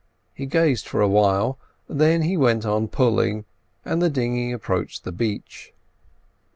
He gazed for a while, then he went on pulling, and the dinghy approached the beach.